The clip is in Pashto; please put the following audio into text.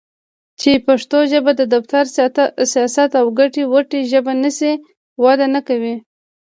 چې پښتو ژبه د دفتر٬ سياست او ګټې وټې ژبه نشي؛ وده نکوي.